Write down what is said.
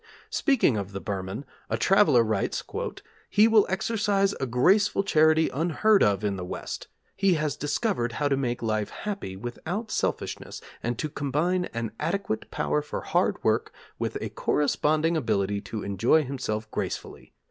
Speaking of the Burman, a traveller writes: 'He will exercise a graceful charity unheard of in the West he has discovered how to make life happy without selfishness and to combine an adequate power for hard work with a corresponding ability to enjoy himself gracefully